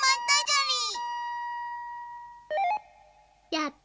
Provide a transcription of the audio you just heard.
やった！